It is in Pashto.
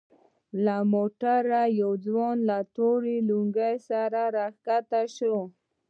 له موټره يو ځوان له تورې لونگۍ سره راکښته سو.